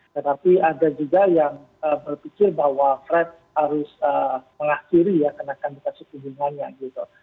tetapi ada juga yang berpikir bahwa fred harus mengakhiri ya kenaikan tingkat suku bunganya gitu